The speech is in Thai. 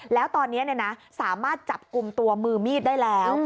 แล้วตอนนี้สามารถจับกลุ่มตัวมือมีดได้แล้ว